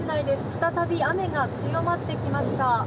再び雨が強まってきました。